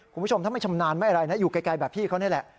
คุณผู้ชมถ้าไม่ชำนาญไม่อะไรนะอยู่ไกลแบบพี่เขานี่แหละ